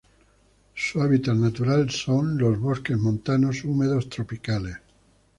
Su hábitat natural con los bosques montanos húmedos tropicales.